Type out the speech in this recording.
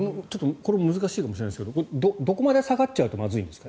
これ難しいかもしれないですけどどこまで下がっちゃうとまずいんですか？